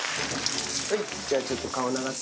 はいじゃあちょっと顔流す。